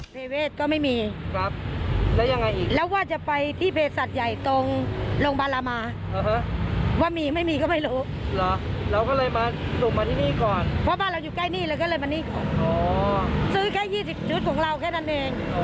ที่มันของเราแค่นั้นเองอ๋อโอเคซื้อไปแค่พอดีคนที่บ้านอ่ะนะ